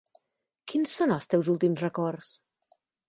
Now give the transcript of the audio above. Quins són els teus últims records?